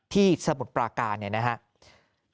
ที่สะหมดปลากาบนนี้นะครับ